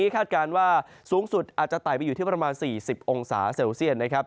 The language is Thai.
คาดการณ์ว่าสูงสุดอาจจะไต่ไปอยู่ที่ประมาณ๔๐องศาเซลเซียตนะครับ